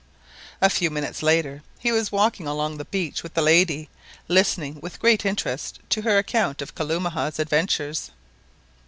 A few minutes later he was walking along the beach with the lady, listening with great interest to her account of Kalumah's adventures.